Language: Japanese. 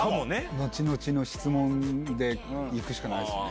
後々の質問で行くしかないですね。